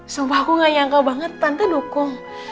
sumpah aku gak nyangkau banget tante dukung